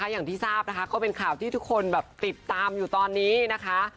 อย่างที่ทราบนะคะก็เป็นข่าวที่ทุกคนแบบติดตามอยู่ตอนนี้นะคะ